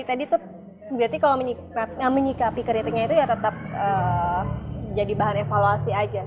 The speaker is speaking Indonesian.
tadi tuh berarti kalau menyikapi kritiknya itu ya tetap jadi bahan evaluasi aja